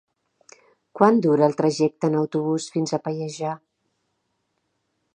Quant dura el trajecte en autobús fins a Pallejà?